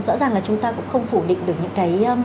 rõ ràng là chúng ta cũng không phủ định được những cái